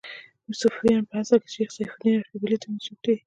صفویان په اصل کې شیخ صفي الدین اردبیلي ته منسوب دي.